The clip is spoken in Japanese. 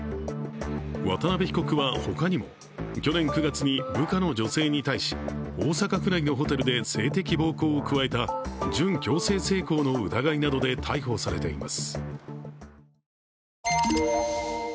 渡邉被告は、ほかにも去年９月に部下の女性に対し、大阪府内のホテルで性的暴行を加えた準強制性交の疑いなどで逮捕されています。